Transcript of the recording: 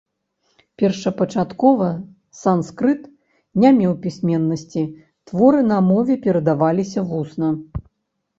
Першапачаткова санскрыт не меў пісьменнасці, творы на мове перадаваліся вусна.